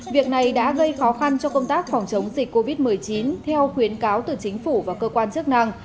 việc này đã gây khó khăn cho công tác phòng chống dịch covid một mươi chín theo khuyến cáo từ chính phủ và cơ quan chức năng